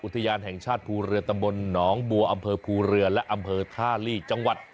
อุติยานแห่งชาติภูเรือตะบรหนองบัวอภูเรือและอคาลี่จังหวัด